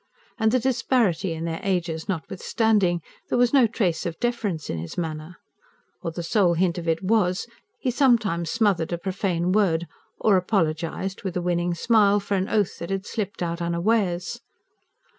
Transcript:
And the disparity in their ages notwithstanding, there was no trace of deference in his manner. Or the sole hint of it was: he sometimes smothered a profane word, or apologised, with a winning smile, for an oath that had slipped out unawares.